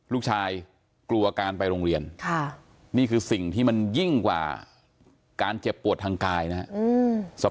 ลูกชายกลัวการไปโรงเรียนนี่คือสิ่งที่มันยิ่งกว่าการเจ็บปวดทางกายนะครับ